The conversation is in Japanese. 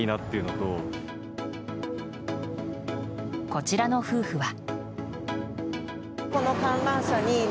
こちらの夫婦は。